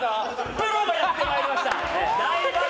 プロがやってまいりました。